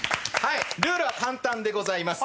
ルールは簡単でございます。